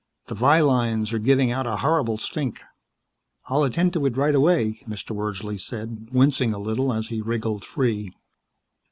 "The vi lines are giving out a horrible stink." "I'll attend to it right away," Mr. Wordsley said, wincing a little as he wriggled free.